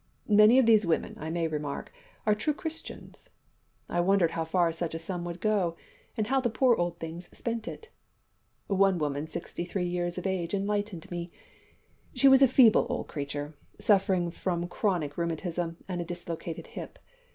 Many of these women, I may remark, are true Christians. I wondered how far such a sum would go, and how the poor old things spent it. One woman sixty three years of age enlightened me. She was a feeble old creature, suffering from chronic rheumatism and a dislocated hip.